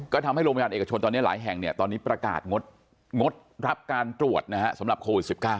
ก็ทำให้โรงพยาบาลเอกชนตอนนี้หลายแห่งตอนนี้ประกาศงดรับการตรวจนะฮะสำหรับโควิด๑๙